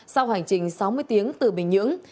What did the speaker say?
sau hoành trình sáu mươi tiếng từ bình nhưỡng